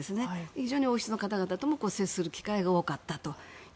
非常に王室の方々とも接する機会が多かったと。